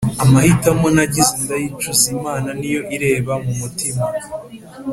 amahitamo nagize ndayicuza, imana niyo ireba m’umutima